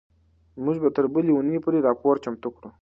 موږ به تر بلې اونۍ پورې راپور چمتو کړو.